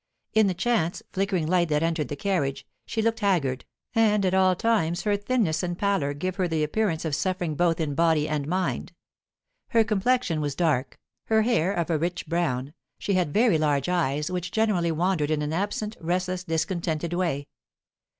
In the chance, flickering light that entered the carriage, she looked haggard, and at all times her thinness and pallor give her the appearance of suffering both in body and mind. Her complexion was dark, her hair of a rich brown; she had very large eyes, which generally wandered in an absent, restless, discontented way.